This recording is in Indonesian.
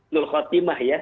nul khuatimah ya